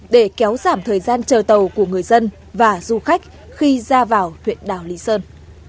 để kéo giảm thời gian chờ tàu của người dân và du khách khi ra vào huyện đảo lý sơn